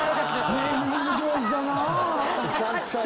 ネーミング上手だなぁ。